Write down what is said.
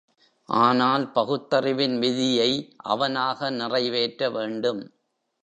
ஆனால், பகுத்தறிவின் விதியை அவனாக நிறைவேற்ற வேண்டும்.